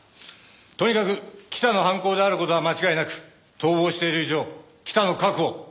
とにかく北の犯行である事は間違いなく逃亡している以上北の確保